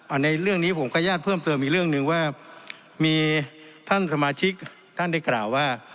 อันนี้เรื่องนี้ผมก็ญาติเพิ่มเติมอีกเรื่องหนึ่งว่ามีท่านสมาชิกท่านได้กล่าวว่า